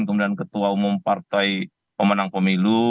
kemudian ketua umum partai pemenang pemilu